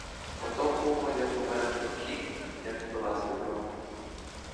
Ото, кумо, як помер мій покійник, я не пила з півроку.